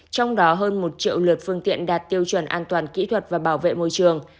trong đó hơn một triệu lượt phương tiện đạt tiêu chuẩn an toàn kỹ thuật và bảo vệ môi trường